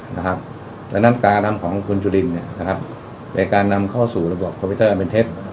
ดังนั้นการกระทำของคุณจุลินในการนำเข้าสู่ระบบคอมพิวเตอร์อันเป็นเท็จ